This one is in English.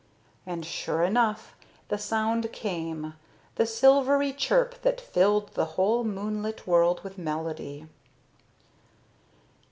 And sure enough, the sound came, the silvery chirp that filled the whole moonlit world with melody.